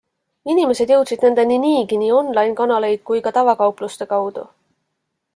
Inimesed jõudsid nendeni niigi nii online-kanaleid kui ka tavakaupluste kaudu.